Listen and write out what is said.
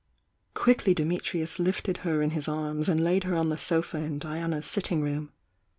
Quickly Dimitrius lifted her in his arms, and laid her on the sofa in Diana's sitting room.